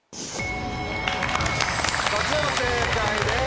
こちらも正解です。